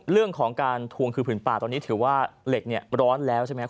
เรื่องของการทวงคืนผืนป่าตอนนี้ถือว่าเหล็กเนี่ยร้อนแล้วใช่ไหม